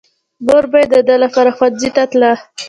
مور به يې د ده لپاره ښوونځي ته تله.